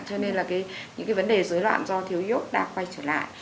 cho nên là những cái vấn đề rối loạn do thiếu iốt đã quay trở lại